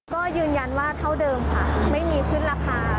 ก็ยืนยันว่าเท่าเดิมค่ะไม่มีขึ้นราคา